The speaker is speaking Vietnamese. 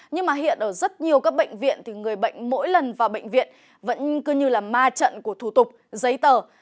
nhưng mà hiện ở rất nhiều các bệnh viện thì người bệnh mỗi lần vào bệnh viện vẫn cứ như là ma trận của thủ tục giấy tờ